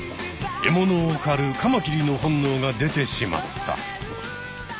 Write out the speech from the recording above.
獲物をかるカマキリの本能が出てしまった。